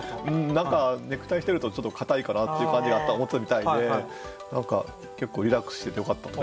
何かネクタイしてるとちょっと硬いかなっていう感じが思ってたみたいで結構リラックスしててよかったという。